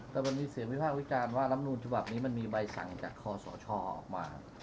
แต่วันนี้เสียงวิวพาควิจารณ์ว่าลำนูนสศนี่มันมีใบสั่งจากคอสชออกมา